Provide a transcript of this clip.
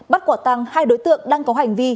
bắt quả tăng hai đối tượng đang có hành vi